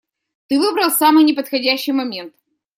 Ты выбрал самый неподходящий момент.